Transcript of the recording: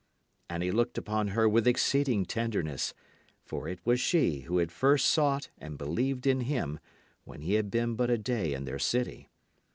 And he looked upon her with exceeding tenderness, for it was she who had first sought and believed in him when he had been but a day in their city.